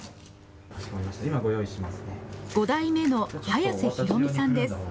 ５代目の早瀬広海さんです。